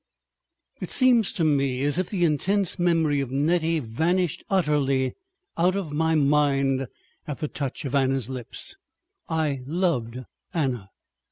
§ 4 It seems to me as if the intense memory of Nettie vanished utterly out of my mind at the touch of Anna's lips. I loved Anna.